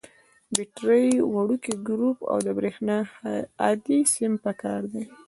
بټرۍ، وړوکی ګروپ او د برېښنا هادي سیم پکار دي.